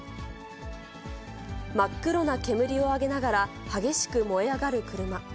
真っ黒な煙を上げながら、激しく燃え上がる車。